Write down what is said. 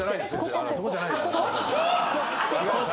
そっち！？